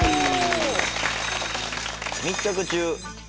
密着中。